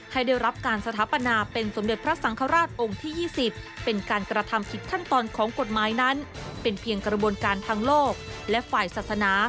ให้ได้รับการสถาปนาเป็นสมเด็จพระสังขราชองค์ที่๒๐เป็นการกระทำคิดทั้นตอนของกฎหมายนั้น